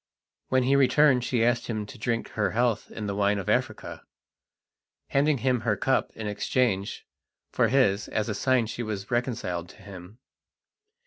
When he returned she asked him to drink her health in the wine of Africa, handing him her cup in exchange for his as a sign she was reconciled to him.